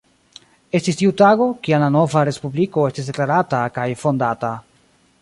Estis tiu tago, kiam la nova respubliko estis deklarata kaj fondata.